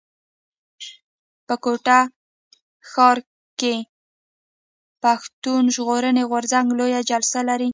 په کوټه ښار کښي پښتون ژغورني غورځنګ لويه جلسه لري.